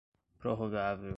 prorrogável